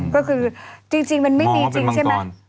ก็คือจริงมันไม่มีจริงใช่ไหม